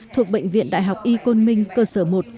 thuộc bệnh viện đại học y côn minh cơ sở một